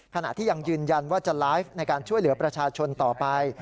ขณะที่ยังยืนยันว่าจะไลฟ์ในการช่วยเหลือประชาชนต่อไป